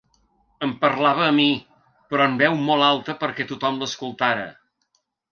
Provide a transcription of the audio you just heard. Em parlava a mi, però en veu molt alta perquè tothom l’escoltara.